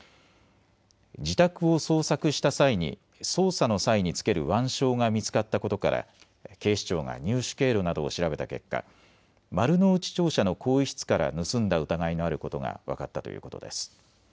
自宅を捜索した際に捜査の際に着ける腕章が見つかったことから警視庁が入手経路などを調べた結果、丸の内庁舎の更衣室から盗んだ疑いのあることが分かったということです。